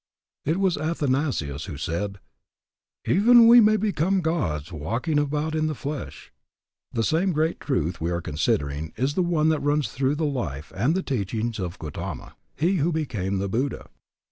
It was Athanasius who said, Even we may become Gods walking about in the flesh. The same great truth we are considering is the one that runs through the life and the teachings of Gautama, he who became the Buddha.